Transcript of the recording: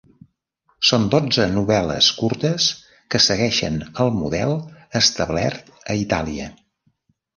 Són dotze novel·les curtes que segueixen el model establert a Itàlia.